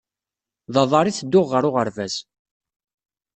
D aḍar i tedduɣ ɣer uɣerbaz